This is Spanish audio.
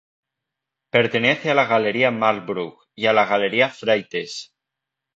Pertenece a la Galería Marlborough y a la Galería Freites.